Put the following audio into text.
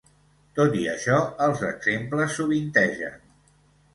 Tot i això els exemples sovintegen.